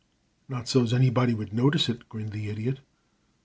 "Not so's anybody would notice it," grinned the Idiot.